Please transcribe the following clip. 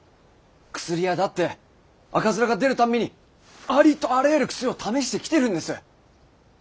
薬屋だって赤面が出る度にありとあらゆる薬を試してきてるんです。